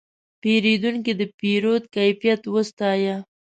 پیرودونکی د پیرود کیفیت وستایه.